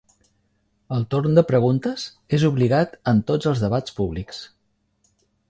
El torn de preguntes és obligat en tots els debats públics.